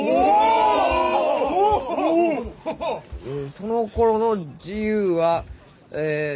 「そのころの自由は」。